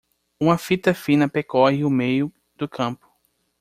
Uma fita fina percorre o meio do campo.